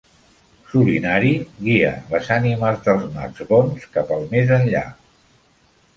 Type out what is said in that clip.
Solinari guia les ànimes dels macs bons cap al més enllà.